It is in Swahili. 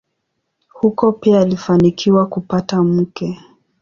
Huko pia alifanikiwa kupata mke.